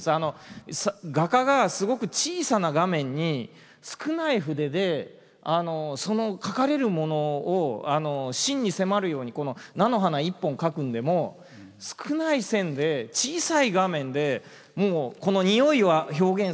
画家がすごく小さな画面に少ない筆でその描かれるものを真に迫るようにこの菜の花１本描くんでも少ない線で小さい画面でもうこの匂いは表現する。